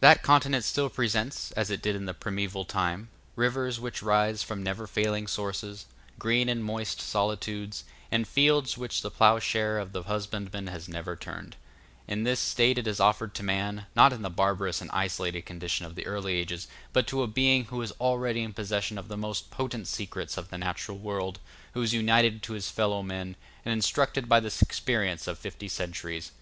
That continent still presents, as it did in the primeval time, rivers which rise from never failing sources, green and moist solitudes, and fields which the ploughshare of the husbandman has never turned. In this state it is offered to man, not in the barbarous and isolated condition of the early ages, but to a being who is already in possession of the most potent secrets of the natural world, who is united to his fellow men, and instructed by the experience of fifty centuries.